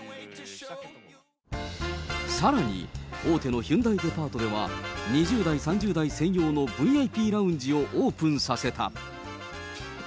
さらに、大手のヒュンダイデパートでは、２０代、３０代専用のＶＩＰラウンジをオープンさせた。